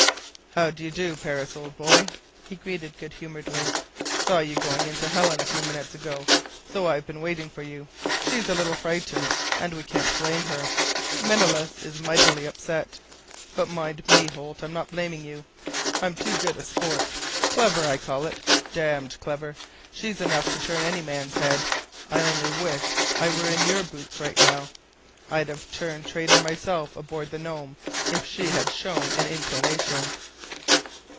"How d' do, Paris, old boy?" he greeted good humoredly. "Saw you going in to Helen a few minutes ago, so I've been waiting for you. She's a little frightened. And we can't blame her. Menelaus is mightily upset. But mind me, Holt, I'm not blaming you. I'm too good a sport. Clever, I call it—damned clever. She's enough to turn any man's head. I only wish I were in your boots right now. I'd have turned traitor myself aboard the Nome if she had shown an inclination."